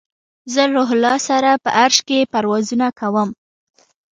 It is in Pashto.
زه له روح الله سره په عرش کې پروازونه کوم